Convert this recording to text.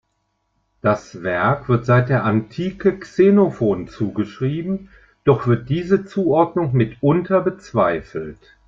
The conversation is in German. Das Werk wird seit der Antike Xenophon zugeschrieben, doch wird diese Zuordnung mitunter bezweifelt.